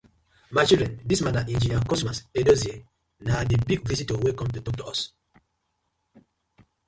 My children, dis man na Engineer Cosmas Edosie, na di big visitor wey com to tok to us.